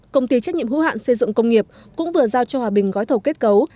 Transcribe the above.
công ty trách nhiệm hữu hạn xây dựng công nghiệp cũng vừa giao cho hòa bình gói thầu kết cấu